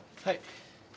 はい。